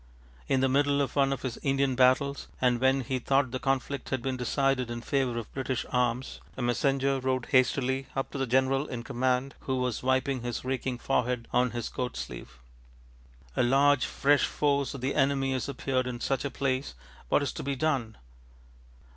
In the middle of one of his Indian battles, and when he thought the conflict had been decided in favour of British arms, a messenger rode hastily up to the general in command, who was wiping his reeking forehead on his coat sleeve: ŌĆ£A large fresh force of the enemy has appeared in such a place; what is to be done?